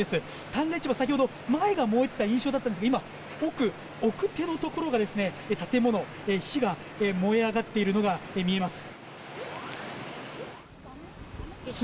旦過市場、先ほど前が燃えていた印象だったんですが今、奥手のところが建物、火が燃え上がっているのが見えます。